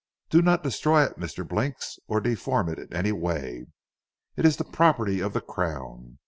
"Do not destroy it Mr. Blinks, or deform it in any way. It is the property of the Crown.